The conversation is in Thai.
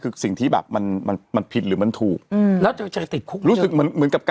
เออทำแล้วไม่รู้สึกว่า